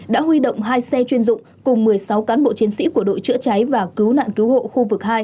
đã huy động hai xe chuyên dụng cùng một mươi sáu cán bộ chiến sĩ của đội chữa cháy và cứu nạn cứu hộ khu vực hai